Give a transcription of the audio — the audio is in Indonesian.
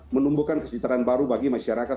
menumbuhkan kesejahteraan baru bagi masyarakat